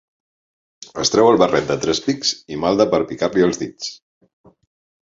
Es treu el barret de tres pics i malda per picar-li els dits.